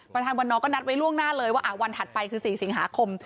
วันนอก็นัดไว้ล่วงหน้าเลยว่าวันถัดไปคือ๔สิงหาคม